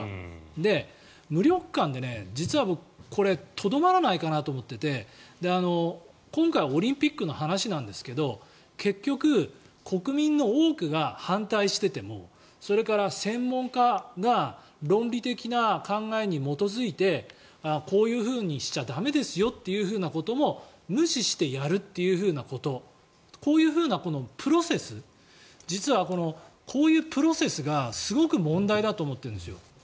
無力感って、実はこれでとどまらないかなと思っていて今回オリンピックの話なんですけど結局、国民の多くが反対しててもそれから専門家が論理的な考えに基づいてこういうふうにしちゃ駄目ですよということも無視してやるということこういうふうなプロセス実はこういうプロセスがすごく問題だと思っているんですよ。